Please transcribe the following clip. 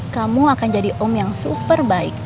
kamu akan jadi om yang super baik